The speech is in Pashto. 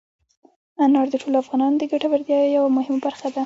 انار د ټولو افغانانو د ګټورتیا یوه ډېره مهمه برخه ده.